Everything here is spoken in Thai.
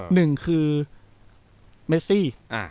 หนึ่งคือเมซี่